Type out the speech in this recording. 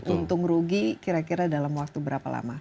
untung rugi kira kira dalam waktu berapa lama